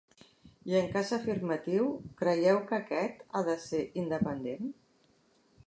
I en cas afirmatiu, creieu que aquest ha de ser independent?.